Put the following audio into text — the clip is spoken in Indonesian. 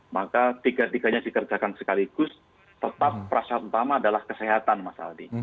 maka tiga tiganya dikerjakan sekaligus tetap prasat utama adalah kesehatan masyarakat